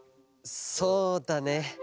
そうだね。